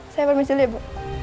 saya permisi liat bu